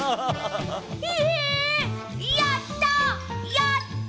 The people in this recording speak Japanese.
やった！